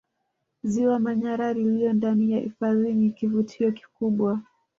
Ziwa Manyara lililo ndani ya hifadhi ni kivutio kikubwa